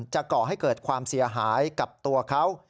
ก่อให้เกิดความเสียหายกับตัวเขา